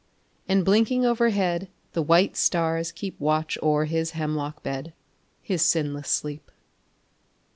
And blinking overhead the white stars keep Watch o'er his hemlock bed his sinless sleep.